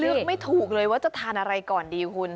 ไม่ถูกเลยว่าจะทานอะไรก่อนดีคุณ